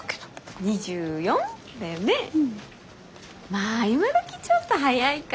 まあ今どきちょっと早いか。